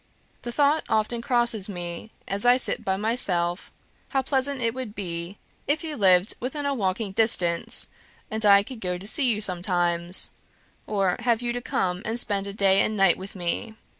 The thought often crosses me, as I sit by myself, how pleasant it would be if you lived within a walking distance, and I could go to you sometimes, or have you to come and spend a day and night with me.